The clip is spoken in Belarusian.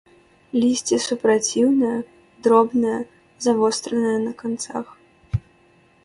Лісце супраціўнае, дробнае, завостранае на канцах.